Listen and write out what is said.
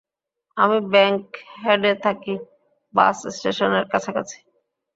আমি ব্যাংকহেডে থাকি, বাস স্টেশনের কাছাকাছি।